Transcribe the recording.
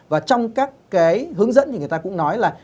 và trong các cái hướng dẫn thì người ta cũng nói là